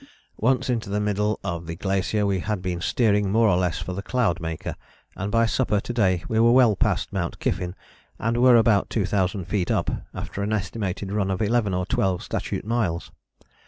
"Once into the middle of the glacier we had been steering more or less for the Cloudmaker and by supper to day were well past Mount Kyffin and were about 2000 feet up after an estimated run of 11 or 12 statute miles.